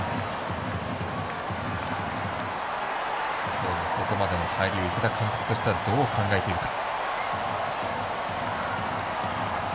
今日、ここまでの入りは池田監督はどう考えているか。